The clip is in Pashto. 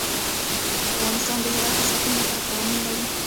افغانستان د هرات د ساتنې لپاره قوانین لري.